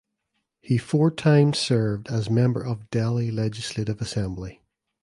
He four times served as member of Delhi Legislative Assembly.